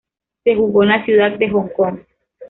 Se jugó en la ciudad de Hong Kong.